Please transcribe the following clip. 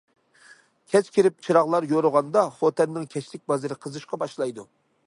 كەچ كىرىپ، چىراغلار يورۇغاندا، خوتەننىڭ كەچلىك بازىرى قىزىشقا باشلايدۇ.